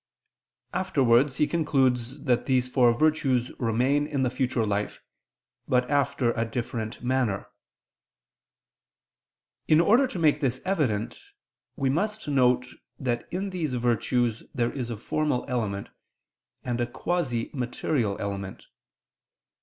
Afterwards he concludes that these four virtues remain in the future life, but after a different manner. In order to make this evident, we must note that in these virtues there is a formal element, and a quasi material element.